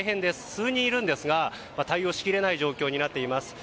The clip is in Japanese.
数人いるんですが対応しきれない状況になっています。